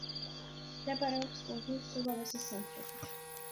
მდებარეობს კუნძულ სულავესის სამხრეთით.